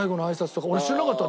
俺知らなかった。